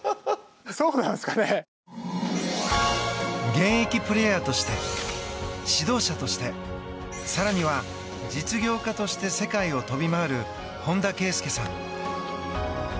現役プレーヤーとして指導者として更には実業家として世界を飛び回る本田圭佑さん。